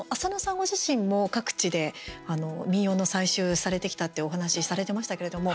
ご自身も各地で民謡の採集されてきたっていうお話されてましたけれども。